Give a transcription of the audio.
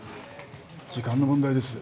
時間の問題です。